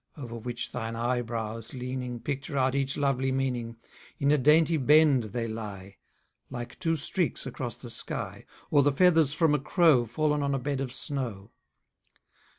Over which thine eyebrows, leaning, Picture out each lovely meaning: In a dainty bend they lie, Like two streaks across the sky, Or the feathers from a crow, Fallen on a bed of snow.